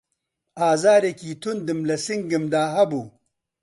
ئازارێکی توندم له سنگمدا هەبوو